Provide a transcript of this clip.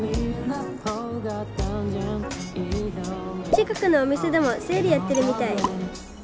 近くのお店でもセールやってるみたい！